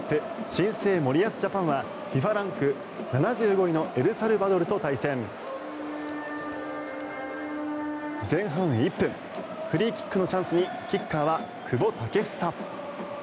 新生・森保ジャパンはＦＩＦＡランク７５位のエルサルバドルと対戦。前半１分フリーキックのチャンスにキッカーは久保建英。